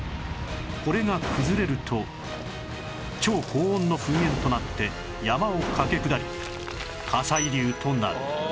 これが崩れると超高温の噴煙となって山を駆け下り火砕流となる